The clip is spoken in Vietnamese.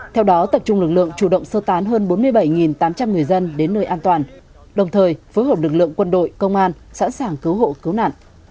theo đó tập trung lực lượng chủ động sơ tán hơn bốn mươi bảy tám trăm linh người dân đến nơi an toàn đồng thời phối hợp lực lượng quân đội công an sẵn sàng cứu hộ cứu nạn